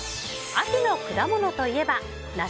秋の果物といえば梨？